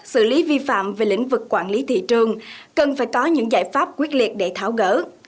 xử lý vi phạm về lĩnh vực quản lý thị trường cần phải có những giải pháp quyết liệt để tháo gỡ